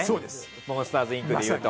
「モンスターズ・インク」でいうと。